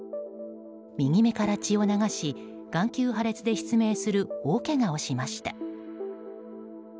右目から血を流し眼球破裂で失明する大けがをしました。